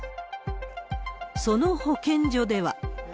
その保健所では。